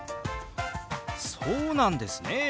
そうなんですね！